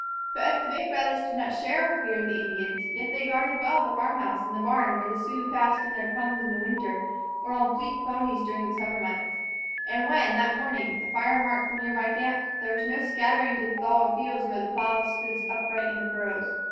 But if the big brothers did not share her fear of the Indians, yet they guarded well the farm house and barn when the Sioux passed in their pungs in winter or on fleet ponies during the summer months. And when, that morning, the fire marked the near by camp, there was no scattering to the thawed fields where the plows stood upright in the furrows.